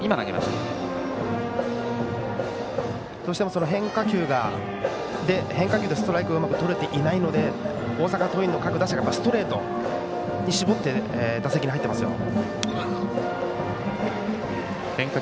どうしても変化球でストライクがうまくとれていないので大阪桐蔭の各打者がストレートに絞って打席に入っていますよ。